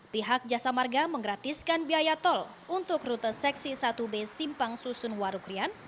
pihak jasa marga menggratiskan biaya tol untuk rute seksi satu b simpang susun warukrian